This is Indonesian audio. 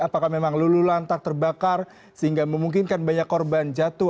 apakah memang lulu lantah terbakar sehingga memungkinkan banyak korban jatuh